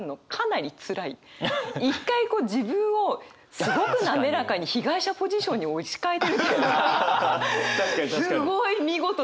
一回こう自分をすごく滑らかに被害者ポジションに置き換えてるっていうのがすごい見事だなって。